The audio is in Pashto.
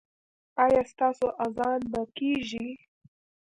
ایا ستاسو اذان به کیږي؟